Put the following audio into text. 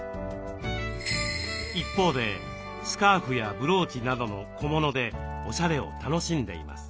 一方でスカーフやブローチなどの小物でオシャレを楽しんでいます。